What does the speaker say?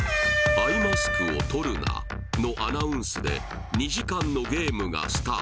「アイマスクを取るな」のアナウンスで２時間のゲームがスタート